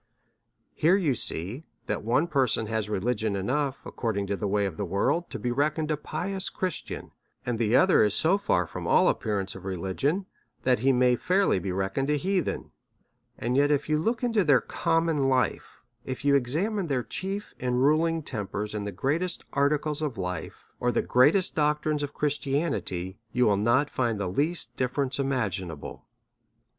Here you see that one person has religion enough, according to the way of the world, to be reckoned a pious Christian, and the other is so far from all appear ance of religion, that he may fairly be reckoned a hea 10 A SERIOUS CALL TO A then ; and yet if you look into their common life, if you examine their chief and ruling tempers in the greatest articles of life, or the greatest doctrines of Christianity, you will find the least difference imagin able.